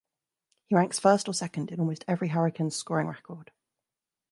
He ranks first or second in almost every Hurricanes scoring record.